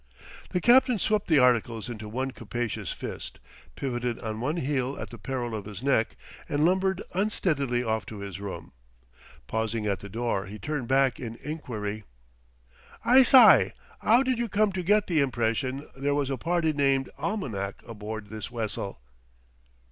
The captain swept the articles into one capacious fist, pivoted on one heel at the peril of his neck, and lumbered unsteadily off to his room. Pausing at the door he turned back in inquiry. "I sye, 'ow did you come to get the impression there was a party named Almanack aboard this wessel?"